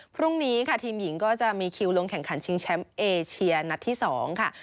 พรุ่งนี้ค่ะทีมหญิงก็จะมีคิวลงแข่งขันชิงแชมป์เอเชียนัดที่๒ค่ะ